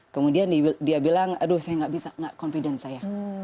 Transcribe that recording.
kemudian dia bilang aduh saya nggak bisa nggak confident saya